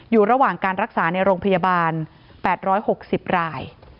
อยู่ระหว่างการรักษาในโรงพยาบาล๘๖๐ราย